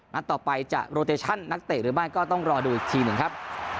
นัดต่อไปจะโรเตชั่นนักเตะหรือไม่ก็ต้องรอดูอีกทีหนึ่งครับ